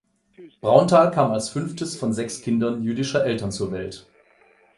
Braunthal kam als fünftes von sechs Kindern jüdischer Eltern zur Welt.